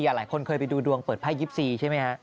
หลายคนเคยไปดูดวงเปิดไพ่๒๔ใช่ไหมฮะ